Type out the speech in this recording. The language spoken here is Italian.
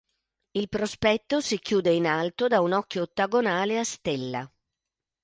Il prospetto si chiude in alto da un occhio ottagonale a stella.